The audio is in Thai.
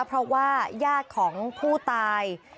เพราะว่าญาติของผู้ตาย